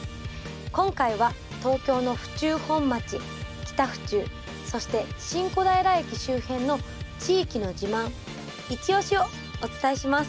今回は東京の府中本町、北府中そして、新小平駅周辺の地域の自慢、いちオシをお伝えします。